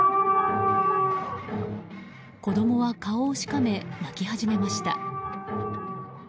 子供は顔をしかめ泣き始めました。